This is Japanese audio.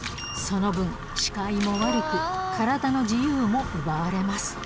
その分、視界も悪く、体の自由も奪われます。